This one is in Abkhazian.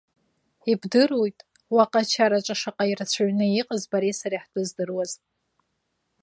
Ибдыруеит, уаҟа, ачараҿы шаҟа ирацәаҩны иҟаз бареи сареи ҳтәы здыруаз.